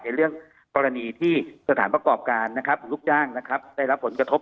ในเรื่องกรณีที่สถานประกอบการลูกจ้างได้รับผลกระทบ